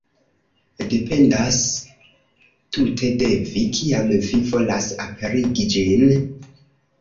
Dependas tute de vi, kiam vi volas aperigi ĝin.